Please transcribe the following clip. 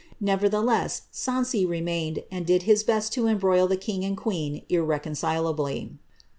Never theless, Sancy remained, and did his best to embroil the king and queen irrecoDcilably.